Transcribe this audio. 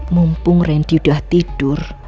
mumpung randy udah tidur